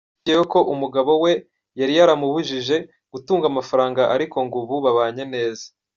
Yongeyeho ko umugabo we yari yaramubujije gutunga amafaranga ariko ngo ubu babanye neza.